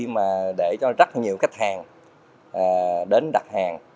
mà để cho rất là nhiều khách hàng